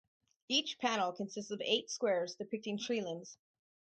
Each panel consists of eight squares depicting tree limbs.